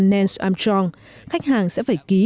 nance armstrong khách hàng sẽ phải ký